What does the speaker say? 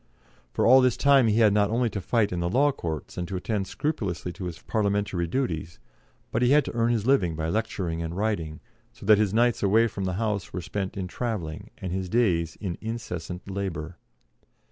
For all this time he had not only to fight in the law courts and to attend scrupulously to his Parliamentary duties, but he had to earn his living by lecturing and writing, so that his nights away from the House were spent in travelling and his days in incessant labour.